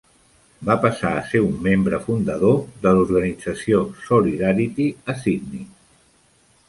Va passar a ser un membre fundador de l'organització Solidarity a Sydney.